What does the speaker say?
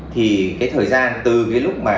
thì cái thời gian từ cái lúc mà